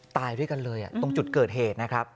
ตายด้วยกันเลยตรงจุดเกิดเหตุนะครับ